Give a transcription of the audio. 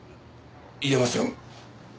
言えません。